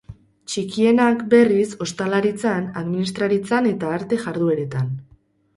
Txikienak, berriz, ostalaritzan, administraritzan eta arte jardueretan.